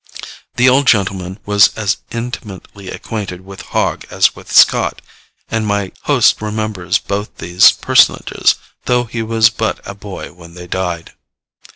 The old gentleman was as intimately acquainted with Hogg as with Scott, and my host remembers both these personages, though he was but a boy when they died.